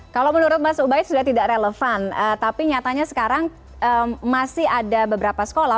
kalau menurut mas ubaid sudah tidak relevan tapi nyatanya sekarang masih ada beberapa sekolah